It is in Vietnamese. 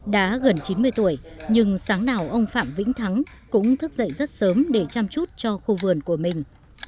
đã gần chín mươi tuổi nhưng sáng nào ông phạm vĩnh thắng cũng thức dậy rất sớm để chăm chút cho khu vườn của mình